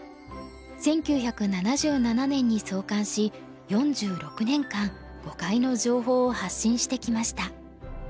１９７７年に創刊し４６年間碁界の情報を発信してきました。